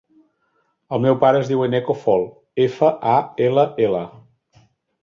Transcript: El meu pare es diu Eneko Fall: efa, a, ela, ela.